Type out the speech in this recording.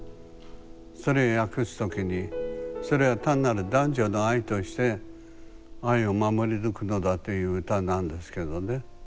それ訳す時にそれは単なる男女の愛として愛を守り抜くのだという歌なんですけどね。